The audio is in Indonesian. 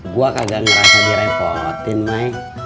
gue kagak ngerasa direpotin mike